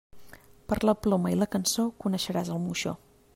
Per la ploma i la cançó coneixeràs el moixó.